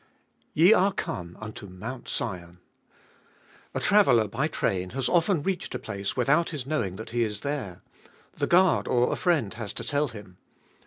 Ye are come unto Mount Sion. A traveller by train has often reached a place without his knowing that he is there. The guard or a friend has to tell him.